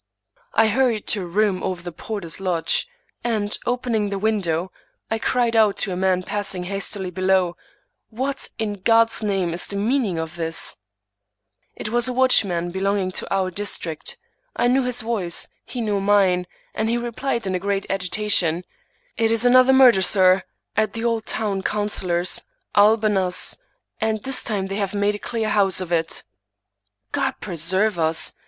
I hurried to a room over the porter's lodge, and, opening the window, I cried out to a man passing hastily below, " What, in God's name, is the meaning of this ?" It was a watchman belonging to our district. I knew his voice, he knew mine, and he replied in great agitation: " It is another murder, sir, at the old town councilor's, Albernass; and this time they have made a clear house of it." " God preserve us